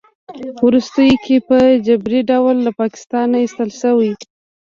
په وروستیو کې په جبري ډول له پاکستانه ایستل شوی